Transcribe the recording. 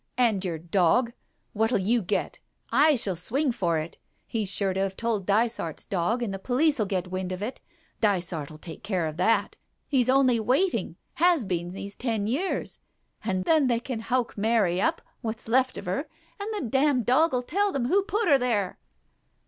And your dog. What'll you get? I shall swing for it. He's sure to have told Dysart's dog, and the police '11 get wind of it — Dysart '11 take care of that. He's only waiting — has been these ten years. And then they can howk Mary up — what's left of her — and the damned dog '11 tell them who put her there."